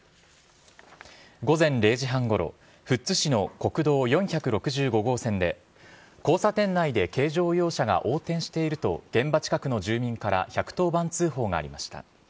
午前０時半ごろ、富津市の国道４６５号線で、交差点内で軽乗用車が横転していると、現場近くの住民から１１０番通報がありました。